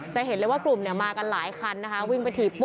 จะเห็นเลยว่ากลุ่มเนี่ยมากันหลายคันนะคะวิ่งไปถีบปุ